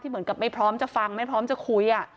เหมือนกับไม่พร้อมจะฟังไม่พร้อมจะคุย